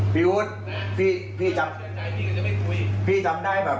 พี่อุ๊ตพี่จำได้ไหมพี่ให้ของขวัญวันเกิดผมมา